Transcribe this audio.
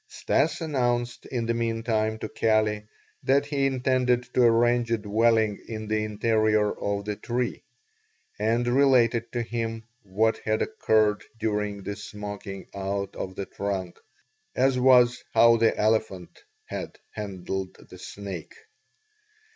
Stas announced in the meantime to Kali that he intended to arrange a dwelling in the interior of the tree and related to him what had occurred during the smoking out of the trunk, as well as how the elephant had handled the snake.